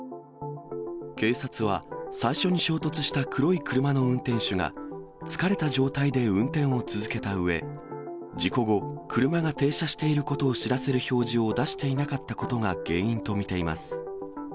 警察は、最初に衝突した黒い車の運転手が、疲れた状態で運転を続けたうえ、事故後、車が停車していることを知らせる表示を出していなかったことが原因と見ています。